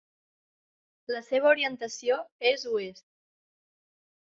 La seva orientació és Oest.